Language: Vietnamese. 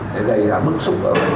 để gây ra bức xúc ở quốc gia